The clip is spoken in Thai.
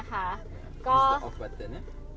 ก็จะเปิดติดกันตรงนี้นะคะ